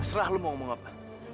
serah lu mau ngomong apa